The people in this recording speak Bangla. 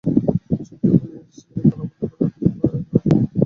চিনতে পারলে নিজের ছেলেকে তালাবদ্ধ করে রাখতে না।